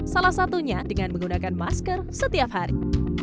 salah satunya dengan menggunakan masker setiap hari